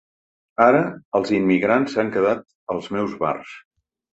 Ara els immigrants s'han quedat els meus bars.